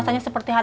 saya bercesta belum